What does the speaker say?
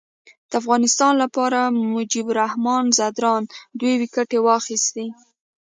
د افغانستان لپاره مجيب الرحمان ځدراڼ دوې ویکټي واخیستي.